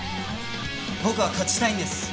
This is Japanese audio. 僕は勝ちたいんです。